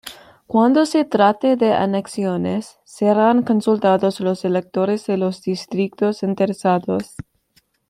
Cuando se trate de anexiones serán consultados los electores de los distritos interesados".